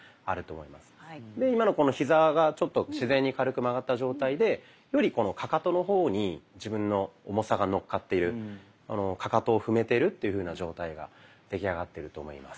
で今のヒザがちょっと自然に軽く曲がった状態でよりかかとの方に自分の重さが乗っかっているかかとを踏めてるっていうふうな状態が出来上がってると思います。